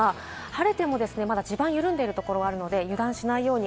晴れてもまだ地盤が緩んでいるところがあるので、油断しないように。